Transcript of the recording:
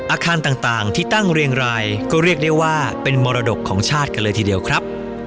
อาคารต่างที่ตั้งเรียงรายก็เรียกได้ว่าเป็นมรดกของชาติกันเลยทีเดียวครับ